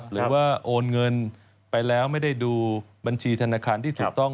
โอนเงินไปแล้วไม่ได้ดูบัญชีธนาคารที่ถูกต้อง